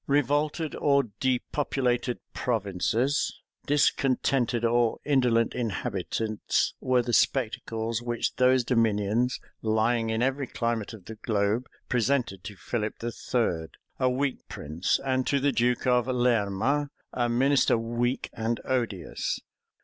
Revolted or depopulated provinces, discontented or indolent inhabitants, were the spectacles which those dominions, lying in every climate of the globe, presented to Philip III., a weak prince, and to the duke of Lerma, a minister weak and odious.